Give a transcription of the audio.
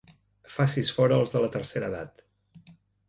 Facis fora els de la tercera edat.